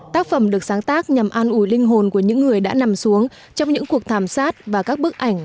tác phẩm được sáng tác nhằm an ủi linh hồn của những người đã nằm xuống trong những cuộc thảm sát và các bức ảnh